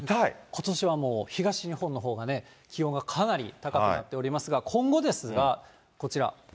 ことしはもう、東日本のほうがね、気温がかなり高くなっておりますが、今後ですが、こちら。